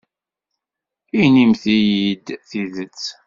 Inimt-iyi-d tidet.